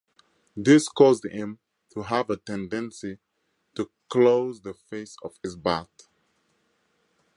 This caused him to have a tendency to close the face of his bat.